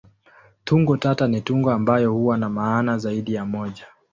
Tungo tata ni tungo ambayo huwa na maana zaidi ya moja.